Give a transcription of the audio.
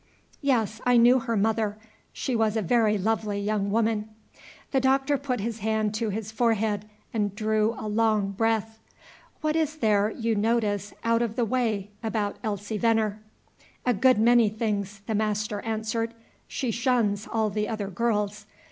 "Yes, I knew her mother. She was a very lovely young woman." The Doctor put his hand to his forehead and drew a long breath. "What is there you notice out of the way about Elsie Venner?" "A good many things," the master answered. "She shuns all the other girls.